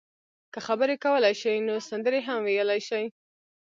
که خبرې کولای شئ نو سندرې هم ویلای شئ.